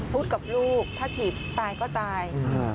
กับลูกถ้าฉีดตายก็ตาย